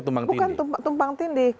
tumbang tindih bukan tumbang tindih